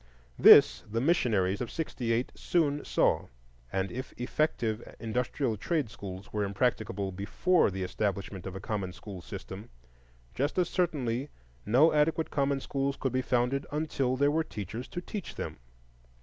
This the missionaries of '68 soon saw; and if effective industrial and trade schools were impracticable before the establishment of a common school system, just as certainly no adequate common schools could be founded until there were teachers to teach them.